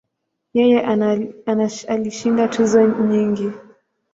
Yeye ana alishinda tuzo nyingi.